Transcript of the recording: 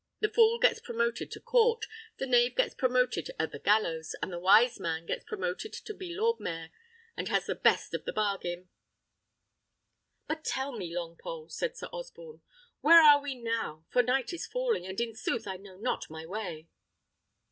The fool gets promoted at court, the knave gets promoted at the gallows, and the wise man gets promoted to be lord mayor, and has the best of the bargain." "But tell me, Longpole," said Sir Osborne, "where are we now? for night is falling, and in sooth I know not my way."